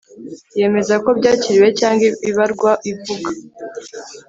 yemeza ko byakiriwe cyangwa ibarwa ivuga